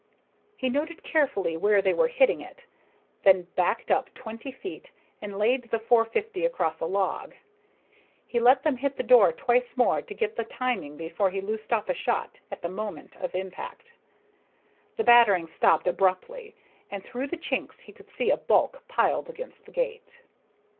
He noted carefully where they were hitting it, then backed off twenty feet and laid the .450 across a log. He let them hit the door twice more to get the timing before he loosed off a shot, at the moment of impact. The battering stopped abruptly, and through the chinks he could see a bulk piled against the gate.